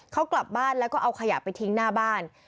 เขากลับบ้านแล้วก็เอาขยะไปทิ้งหน้าบ้าน